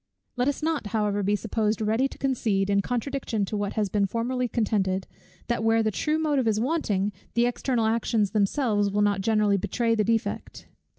Let us not however be supposed ready to concede, in contradiction to what has been formerly contended, that where the true motive is wanting, the external actions themselves will not generally betray the defect.